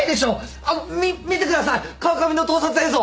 あのみっ見てください川上の盗撮映像。